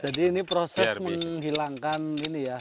jadi ini proses menghilangkan ini ya